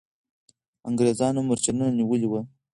انګریزان مرچلونه نیولي وو.